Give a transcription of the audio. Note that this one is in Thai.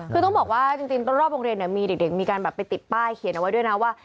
คือต้องบอกว่าจริงรอบโรงเรียนมีเด็กมีการแบบไปติดป้ายเขียนเอาไว้ด้วยนะว่า